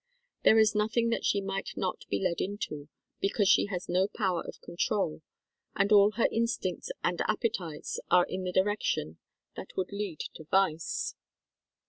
There is nothing that she might not be led into, because she has no power of control, and all her instincts and ap petites are in the direction that would lead to vice.